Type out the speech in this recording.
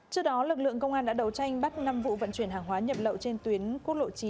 trước đó lực lượng công an đã đầu tranh bắt năm vụ vận chuyển hàng hóa nhập lậu trên tuyến quốc lộ chín